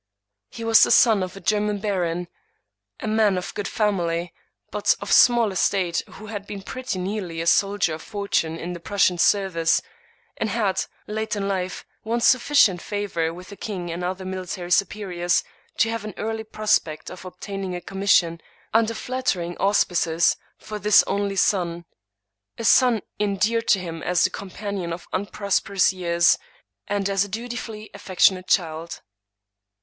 He was the son of a German baron; a man of good family, but of small estate, who had been pretty nearly a soldier of for 114 Thomas De Quincey tune in the Prussian service, and had, late in life, won sufficient favor with the king and other military superiors, to have an early prospect of obtaining a commission, under flattering auspices, for this only son — ^a son endeared to him as the companion of unprosperous years, and as a dutifully affectionate child.